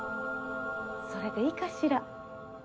それでいいかしら？